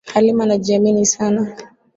Halima anajiamini sana